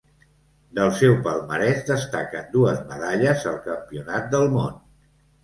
Del seu palmarès destaquen dues medalles al Campionat del món.